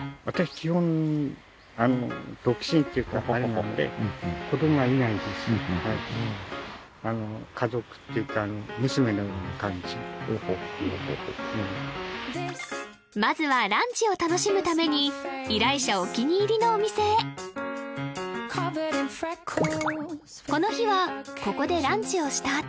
私基本まずはランチを楽しむために依頼者お気に入りのお店へこの日はここでランチをした